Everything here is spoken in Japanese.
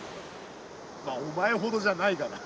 まあお前ほどじゃないがな。